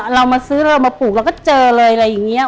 เรามาซื้อเรามาปลูกเราก็เจอเลยอะไรอย่างนี้